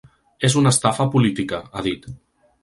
És una estafa política, ha dit.